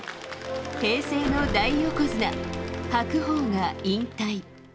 平成の大横綱・白鵬が引退。